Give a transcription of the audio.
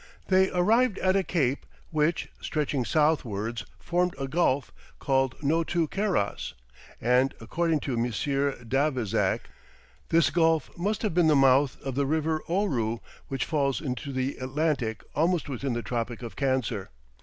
They arrived at a cape, which, stretching southwards, formed a gulf, called Notu Keras, and, according to M. D'Avezac, this gulf must have been the mouth of the river Ouro, which falls into the Atlantic almost within the Tropic of Cancer.